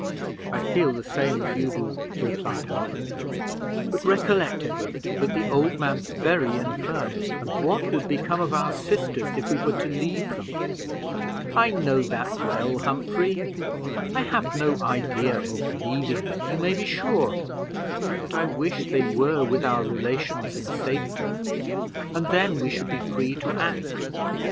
"I feel the same as you do," replied Humphrey: "but recollect, Edward, that the old man's very infirm, and what would become of our sisters if we were to leave them?" "I know that well, Humphrey I have no idea of leaving them, you may be sure; but I wish they were with our relations in safety, and then we should be free to act."